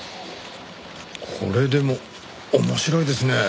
これでも面白いですね。